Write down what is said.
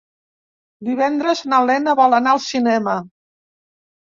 Divendres na Lena vol anar al cinema.